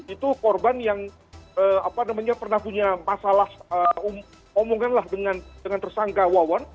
itu korban yang pernah punya masalah omongkanlah dengan tersangka wawan